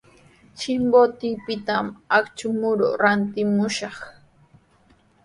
Chimbotepitami akshu muru rantimushaq.